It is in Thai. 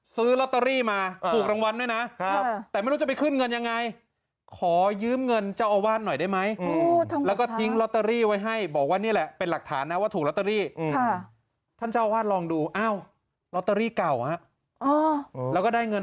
ซื้อล็อตเตอรี่มาเออถูกรางวัลด้วยน่ะครับแต่ไม่รู้จะไปขึ้นเงินยังไง